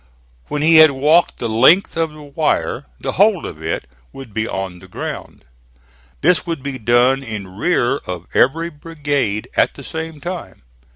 When he had walked the length of the wire the whole of it would be on the ground. This would be done in rear of every brigade at the same time.